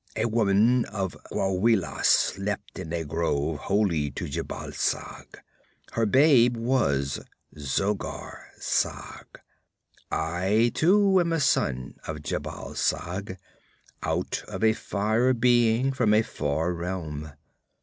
A woman of Gwawela slept in a grove holy to Jhebbal Sag. Her babe was Zogar Sag. I too am a son of Jhebbal Sag, out of a fire being from a far realm.